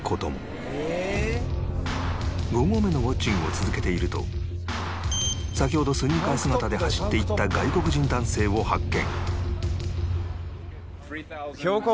５合目のウォッチングを続けていると先ほどスニーカー姿で走っていった外国人男性を発見